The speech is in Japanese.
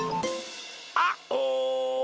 あお！